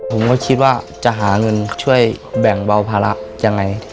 ผมก็คิดว่าจะหาเงินช่วยแบ่งเบาภาระยังไง